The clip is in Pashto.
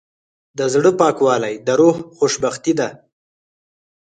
د زړه پاکوالی د روح خوشبختي ده.